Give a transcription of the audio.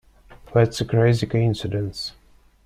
That's a crazy coincidence!